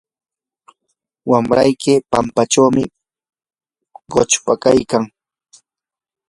wamrayki pampachaw quchpaykan.